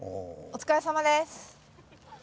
お疲れさまです。